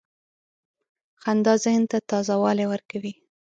• خندا ذهن ته تازه والی ورکوي.